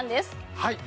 はい。